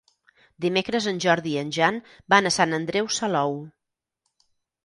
Dimecres en Jordi i en Jan van a Sant Andreu Salou.